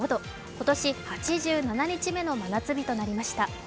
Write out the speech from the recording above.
今年８７日目の真夏日となりました。